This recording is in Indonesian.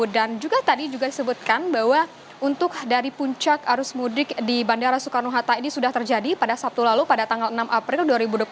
dan juga tadi juga disebutkan bahwa untuk dari puncak arus mudik di bandara soekarno hatta ini sudah terjadi pada sabtu lalu pada tanggal enam april dua ribu dua puluh empat